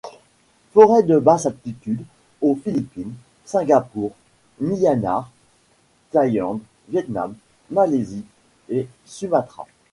Forêts de basse altitude au Philippines, Singapore, Myanmar, Thailande, Viet-Nam, Malaisie et Sumatra.